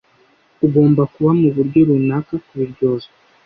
ugomba kuba muburyo runaka kubiryozwa